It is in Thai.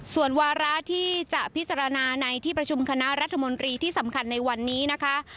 ส่วนวาระที่จะพิจารณาในที่ประชุมคณะรัฐมนตรีที่สำคัญในวันนี้นะคะ